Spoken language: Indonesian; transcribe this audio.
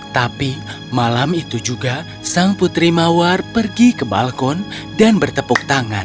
tapi malam itu juga sang putri mawar pergi ke balkon dan bertepuk tangan